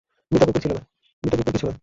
মৃত কুকুর কিছু না।